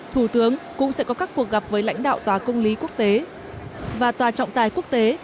thủ tướng cũng sẽ có các cuộc gặp với lãnh đạo tòa công lý quốc tế và tòa trọng tài quốc tế